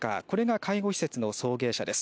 これが介護施設の送迎車です。